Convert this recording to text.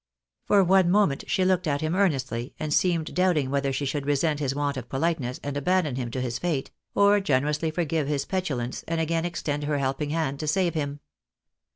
For one moment she looked at him earnestly, and seemed doubting whether she should resent his want of politeness and abandon him to his fate, or generously forgive his petulance, and again extend her helping hand to save him.